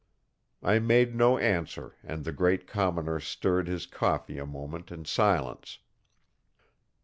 I made no answer and the great commoner stirred his coffee a moment in silence.